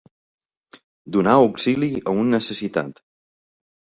Donar auxili a un necessitat.